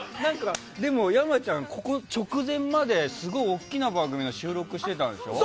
でも、山ちゃん直前まですごい大きな番組の収録してたんでしょ？